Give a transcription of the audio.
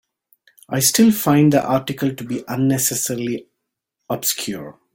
I still find the article to be unnecessarily obscure.